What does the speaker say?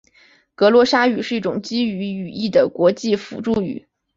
格罗沙语是一种基于语义的国际辅助语。